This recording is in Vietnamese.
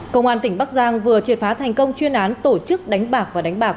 công an tỉnh bắc giang vừa triệt phá thành công chuyên án tổ chức đánh bạc và đánh bạc